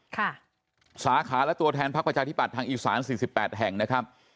ค่ะสาขาและตัวแทนภาคประชาธิบัติทางอีสาน๔๘แห่งนะครับ